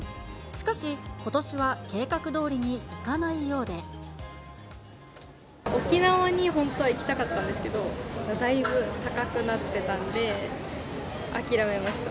しかし、ことしは計画どおりにい沖縄に本当は行きたかったんですけど、だいぶ高くなってたんで、諦めました。